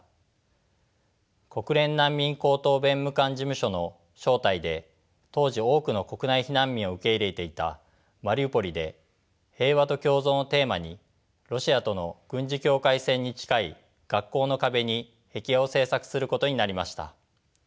国連難民高等弁務官事務所の招待で当時多くの国内避難民を受け入れていたマリウポリで平和と共存をテーマにロシアとの軍事境界線に近い学校の壁に壁画を制作することになりました。